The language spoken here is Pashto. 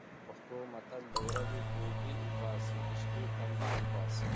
پښتو متل: د ورځې توبې اوباسي، د شپې تمبې اوباسي.